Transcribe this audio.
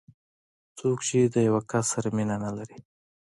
څوک چې د یو کس سره مینه نه لري.